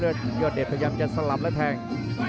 ยอดเดชพยายามจะสลับแล้วแทง